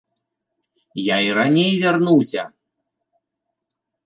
Я і раней вярнуся!